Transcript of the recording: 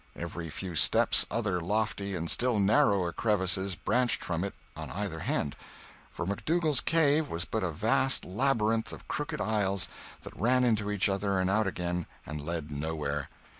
Every few steps other lofty and still narrower crevices branched from it on either hand—for McDougal's cave was but a vast labyrinth of crooked aisles that ran into each other and out again and led nowhere.